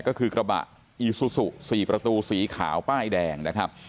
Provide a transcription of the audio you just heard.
ก็คือกระบะอีซูซู๔ประตูสีขาวป้ายแดงนะครับ